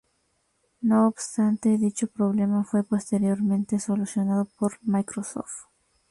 No obstante, dicho problema fue posteriormente solucionado por Microsoft.